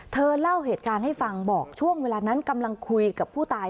เล่าเหตุการณ์ให้ฟังบอกช่วงเวลานั้นกำลังคุยกับผู้ตาย